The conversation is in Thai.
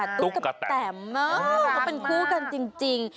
ตุ๊กกับแตมก็เป็นคู่กันจริง